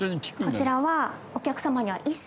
こちらは。